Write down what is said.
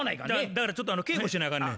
だからちょっと稽古しなあかんねん。